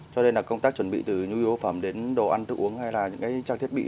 cho nên là công tác chuẩn bị từ nhu yếu phẩm đến đồ ăn thức uống hay là những trang thiết bị